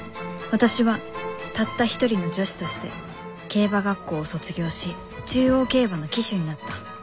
私はたった一人の女子として競馬学校を卒業し中央競馬の騎手になった。